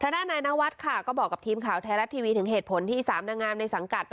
ด้านนายนวัดค่ะก็บอกกับทีมข่าวไทยรัฐทีวีถึงเหตุผลที่๓นางงามในสังกัด